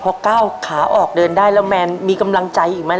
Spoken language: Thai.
พอก้าวขาออกเดินได้แล้วแมนมีกำลังใจอีกไหม